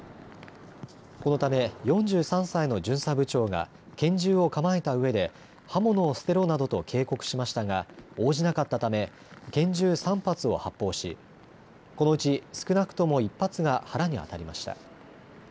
このため４３歳の巡査部長が拳銃を構えたうえで刃物を捨てろなどと警告しましたが応じなかったため拳銃３発を発砲し、このうち少なくとも１発が腹に当たりました。